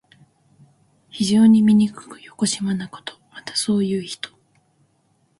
非常にみにくくよこしまなこと。また、そういう人。